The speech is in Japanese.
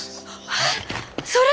あっそれ！